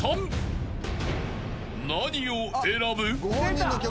［何を選ぶ？］